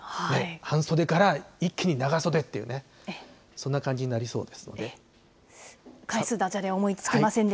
半袖から一気に長袖っていうね、そんな感じになりそうですん